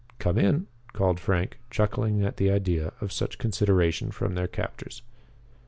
"Come in," called Frank, chuckling at the idea of such consideration from their captors.